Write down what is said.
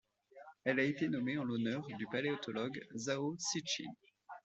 Elle a été nommée en l'honneur du paléontologue Zhao Xijin.